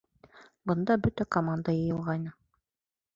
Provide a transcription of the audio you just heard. Бында бөтә команда йыйылғайны.